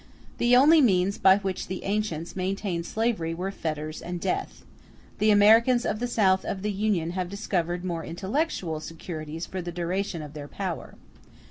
The only means by which the ancients maintained slavery were fetters and death; the Americans of the South of the Union have discovered more intellectual securities for the duration of their power.